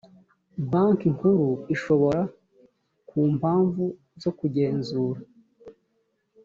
banki nkuru ishobora ku mpamvu zo kugenzura